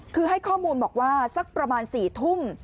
คือให้ข้อมูลบอกว่าสักประมาณ๔ทุ่ม